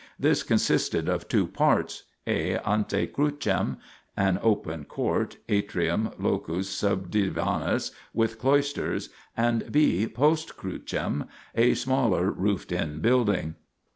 This consisted of two parts: (a) ante Crucem, an open court (atrium, locus subdi vanus) with cloisters, and (b) post Crucem, a smaller roofed in building.